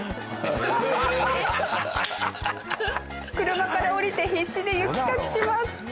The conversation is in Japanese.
車から降りて必死で雪かきします。